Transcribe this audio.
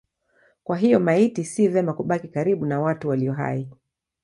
Kwa hiyo maiti si vema kubaki karibu na watu walio hai.